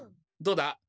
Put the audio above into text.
どうだ？